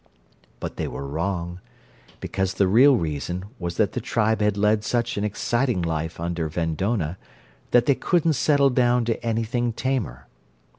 But they were wrong, because the real reason was that the tribe had led such an exciting life under Vendonah that they couldn't settle down to anything tamer.